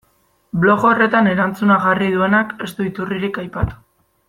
Blog horretan erantzuna jarri duenak ez du iturririk aipatu.